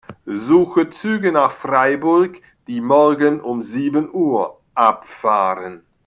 Suche Züge nach Freiburg, die morgen um sieben Uhr abfahren.